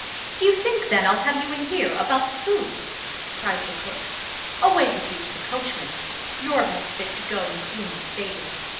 "Do you think then I'll have you in here about the food," cried the cook. "Away with you to the coachman; you're best fit to go and clean the stable."